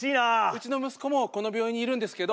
うちの息子もこの病院にいるんですけど。